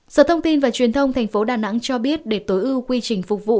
sở thông tin và truyền thông thành phố đà nẵng cho biết để tối ưu quy trình phục vụ